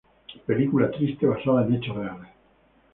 Película triste, basada en hechos reales.